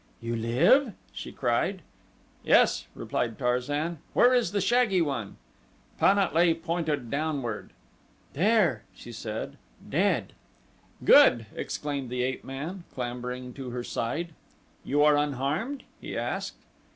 "You live?" she cried. "Yes," replied Tarzan. "Where is the shaggy one?" Pan at lee pointed downward. "There," she said, "dead." "Good!" exclaimed the ape man, clambering to her side. "You are unharmed?" he asked.